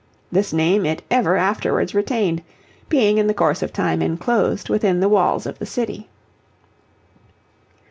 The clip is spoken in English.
This name it ever afterwards retained, being in the course of time enclosed within the walls of the city.